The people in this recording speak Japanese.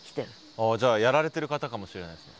ああじゃあやられてる方かもしれないですね。